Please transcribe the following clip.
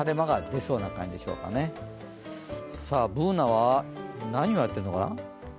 Ｂｏｏｎａは何をやってるのかな？